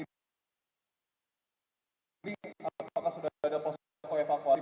jadi apakah sudah ada posko evakuasi